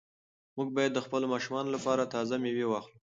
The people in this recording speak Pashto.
موږ باید د خپلو ماشومانو لپاره تازه مېوې واخلو.